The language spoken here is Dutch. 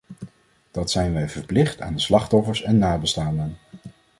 Dat zijn wij verplicht aan de slachtoffers en nabestaanden.